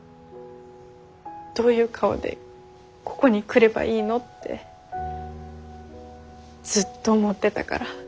どういう顔でここに来ればいいのってずっと思ってたから。